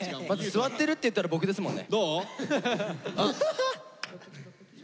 座ってるっていったら僕ですもんね。